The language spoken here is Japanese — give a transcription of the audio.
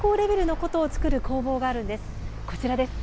こちらです。